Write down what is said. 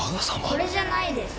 これじゃないです。